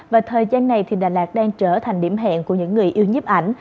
và thời gian này thì đà lạt đang trở thành điểm hẹn của những người yêu nhếp ảnh